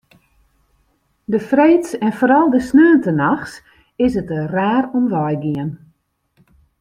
De freeds en foaral de sneontenachts is it der raar om wei gien.